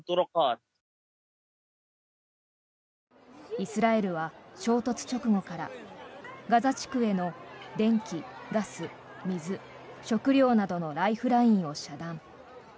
イスラエルは、衝突直後からガザ地区への電気、ガス、水、食料などのライフラインを遮断。